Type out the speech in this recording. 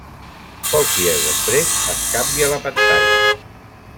Pocs dies després es canvia la pantalla.